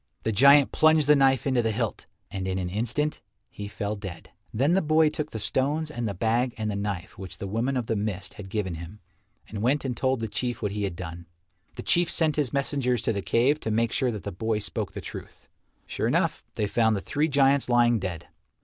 The giant plunged the knife into the hilt, and in an instant he fell dead. Then the boy took the stones and the bag and the knife which the Woman of the Mist had given him and went and told the Chief what he had done. The Chief sent his messengers to the cave to make sure that the boy spoke the truth. Sure enough, they found the three giants lying dead.